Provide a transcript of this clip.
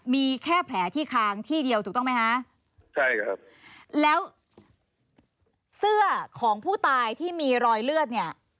มีแค่แผลที่คางที่เดียวถูกต้องไหมฮะใช่ครับแล้วเสื้อของผู้ตายที่มีรอยเลือดเนี่ย